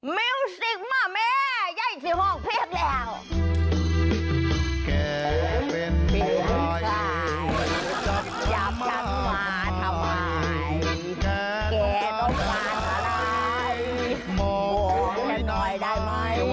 มิวซิกม่ะแม่ย่อยที่ห้องเพียงแล้ว